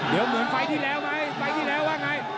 เดี๋ยวเหมือนไฟล์ที่แล้วไหมไฟล์ที่แล้วว่าไง